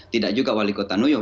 tidak juga wali kota new yor